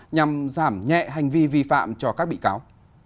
nhằm giảm nhẹ hành vi vi phạm cho các bị cáo